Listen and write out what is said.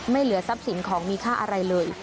เหลือทรัพย์สินของมีค่าอะไรเลย